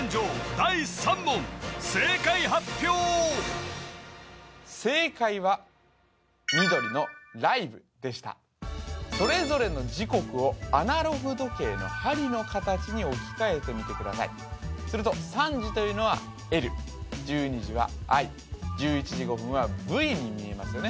第３問正解発表正解は緑のライブでしたそれぞれの時刻をアナログ時計の針の形に置き換えてみてくださいすると３時というのはＬ１２時はＩ１１時５分はＶに見えますよね